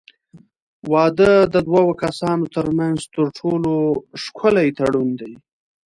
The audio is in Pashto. واده د دوو کسانو ترمنځ تر ټولو ښکلی تړون دی.